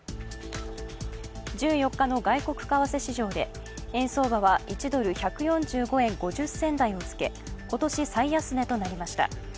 １４日の外国為替市場で円相場は１ドル＝１４５円５０銭台につけ、今年最安値となりました。